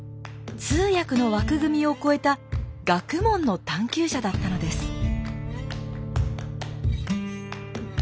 通訳の枠組みを超えた学問の探究者だったのです。